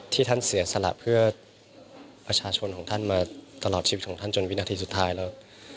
ท่านเสียสละเพื่อประชาชนของท่านมาตลอดชีวิตของท่านจนวินาทีสุดท้ายแล้ว